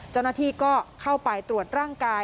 เจ้าหน้าที่ก็เข้าไปตรวจร่างกาย